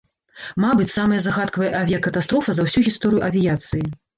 Мабыць, самая загадкавая авіякатастрофа за ўсю гісторыю авіяцыі.